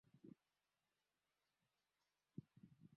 picha hiyo ilitumia rangi ya umoja wa benetton